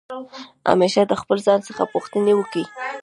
همېشه د خپل ځان څخه پوښتني وکئ!